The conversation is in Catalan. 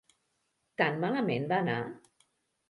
Tan malament va anar?